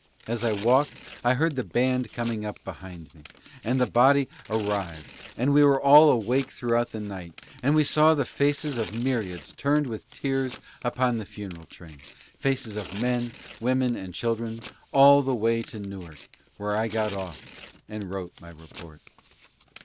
As I walked I heard the band coming up behind me, and then the body ar rived, and we were all awake throughout the night, and we saw the faces of myriads turned with tears upon the funeral train — faces of men, women and children — all the way to Newark, where I got off and wrote my report.